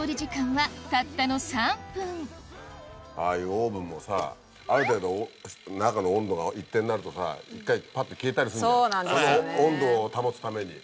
オーブンもさある程度中の温度が一定になるとさ１回パッと消えたりすんじゃん温度を保つために。